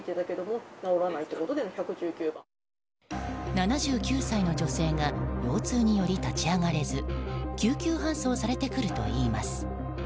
７９歳の女性が腰痛により立ち上がれず救急搬送されてくるといいます。